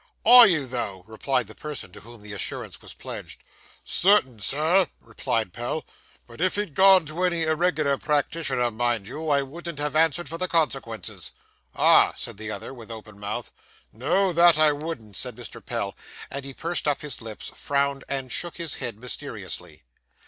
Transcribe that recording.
'Are you, though?' replied the person to whom the assurance was pledged. 'Certain sure,' replied Pell; 'but if he'd gone to any irregular practitioner, mind you, I wouldn't have answered for the consequences.' 'Ah!' said the other, with open mouth. 'No, that I wouldn't,' said Mr. Pell; and he pursed up his lips, frowned, and shook his head mysteriously.